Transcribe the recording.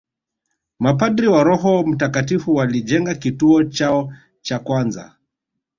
Mapadre wa Roho mtakatifu walijenga kituo chao cha kwanza